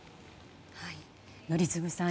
宜嗣さん。